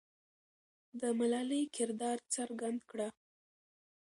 د ملالۍ کردار څرګند کړه.